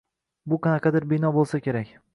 Bu qanaqadir bino boʻlsa kerak.